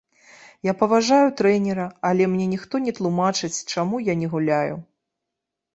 Я паважаю трэнера, але мне ніхто не тлумачыць чаму я не гуляю.